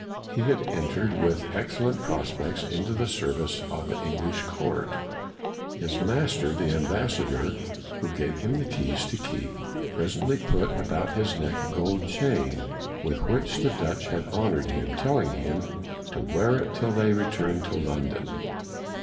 He had entered with excellent prospects into the service of the English court. His master, the ambassador, who gave him the keys to keep, presently put about his neck a gold chain with which the Dutch had honored him, telling him to wear it till they returned to London.